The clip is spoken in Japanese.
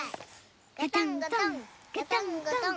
ガタンゴトンガタンゴトン。